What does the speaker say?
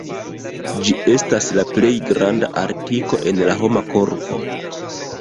Ĝi estas la plej granda artiko en la homa korpo.